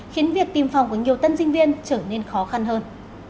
khiến việc tìm phòng của nhiều tân sinh viên trở nên khó khăn hơn